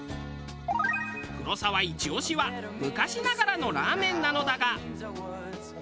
黒沢イチオシは昔ながらのラーメンなのだが。